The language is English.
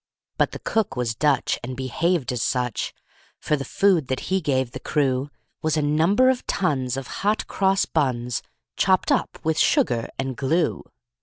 But the cook was Dutch, and behaved as such; For the food that he gave the crew Was a number of tons of hot cross buns, Chopped up with sugar and glue.